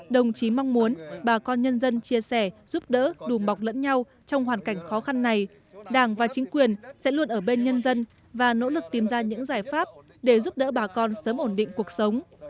đồng chí mong muốn bà con nhân dân chia sẻ giúp đỡ đùm bọc lẫn nhau trong hoàn cảnh khó khăn này đảng và chính quyền sẽ luôn ở bên nhân dân và nỗ lực tìm ra những giải pháp để giúp đỡ bà con sớm ổn định cuộc sống